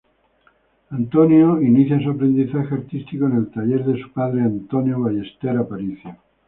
Antonio inicia su aprendizaje artístico en el taller de su padre Antonio Ballester Aparicio.